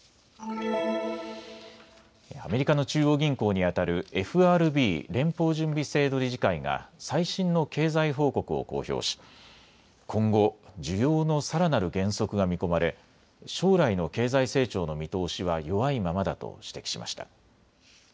アメリカの中央銀行にあたるＦＲＢ・連邦準備制度理事会が最新の経済報告を公表し今後、需要のさらなる減速が見込まれ将来の経済成長の見通しは弱いままだと指摘しました。